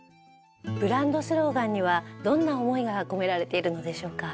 ブランドスローガンにはどんな思いが込められているのでしょうか。